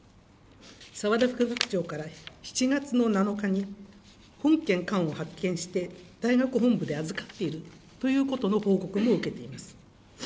澤田副学長から７月の７日に本件缶を発見して、大学本部で預かっているということの報告も受けています。